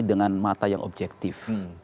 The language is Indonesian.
dengan mata yang objektif